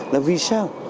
là vì sao